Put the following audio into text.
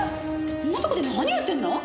そんなとこで何やってるの？